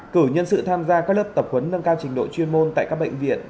cử nhân sự tham gia các lớp tập huấn nâng cao trình độ chuyên môn tại các bệnh viện